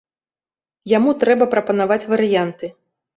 Яму трэба прапанаваць варыянты.